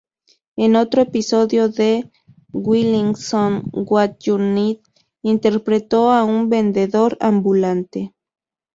En otro episodio de "Twilight Zone", "What You Need", interpretó a un vendedor ambulante.